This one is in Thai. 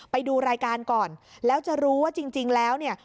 ไปดูรายการก่อนแล้วจะรู้ว่าจริงแล้วเนี่ย